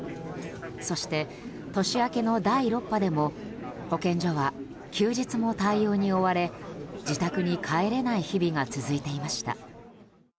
そして、年明けの第６波でも保健所は休日も対応に追われ自宅に帰れない日々が続いていました。